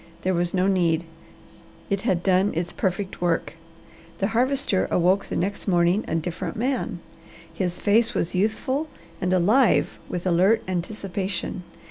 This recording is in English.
There was no need. It had done its perfect work. The Harvester awoke the next morning a different man. His face was youthful and alive with alert anticipation.